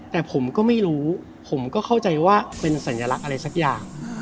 แต่ผมก็ไม่รู้ผมก็เข้าใจว่าเป็นสัญลักษณ์อะไรสักอย่าง